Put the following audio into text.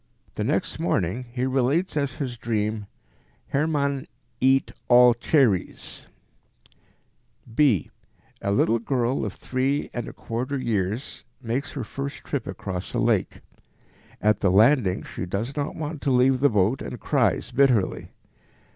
The next morning he relates as his dream, "Hermann eat all cherries." b). A little girl of three and a quarter years makes her first trip across a lake. At the landing she does not want to leave the boat and cries bitterly.